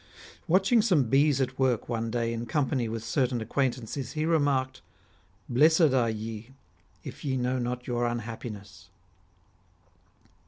Watching some bees at work one day in company with certain acquaintances, he remarked :" Blessed are ye, if ye know not your unhappiness."